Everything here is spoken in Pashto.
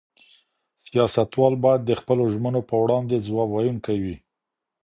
سياستوال بايد د خپلو ژمنو په وړاندي ځواب ويونکي وي.